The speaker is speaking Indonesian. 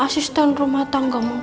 masa asisten rumah tangga mau kuliah